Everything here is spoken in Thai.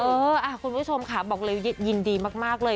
คุณผู้ชมค่ะบอกเลยยินดีมากเลย